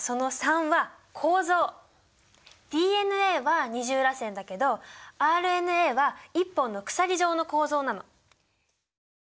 ＤＮＡは二重らせんだけどＲＮＡは１本の鎖状の構造なの。